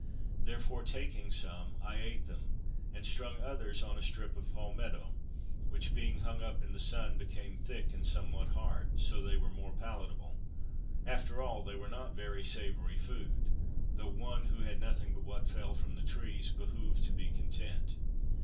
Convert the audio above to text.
Therefore, taking some, I ate them, and strung others on a strip of palmeto, which being hung up in the sun, became thick and somewhat hard; so that they were more palatable. After all, they were not very savoury food, though one, who had nothing but what fell from the trees, behoved to be content.